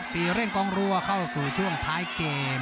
ปีเร่งกองรัวเข้าสู่ช่วงท้ายเกม